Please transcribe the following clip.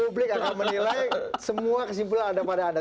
publik akan menilai semua kesimpulan ada pada anda